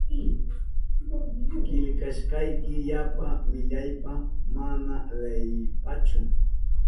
Killkashkayki yapa millaypa mana leyipachu.